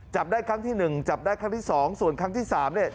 จับได้ครั้งที่หนึ่งจับได้ครั้งที่สองส่วนครั้งที่สามเนี่ย